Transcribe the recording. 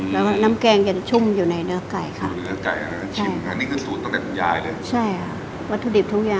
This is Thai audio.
แล้วน้ำแกงจะชุ่มอยู่ในเนื้อไก่ค่ะ